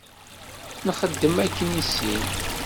Nxeddem akken i sin.